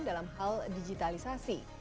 dalam hal digitalisasi